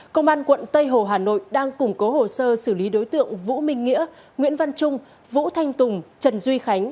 công an quận tây hồ hà nội đang củng cố hồ sơ xử lý đối tượng vũ minh nghĩa nguyễn văn trung vũ thanh tùng trần duy khánh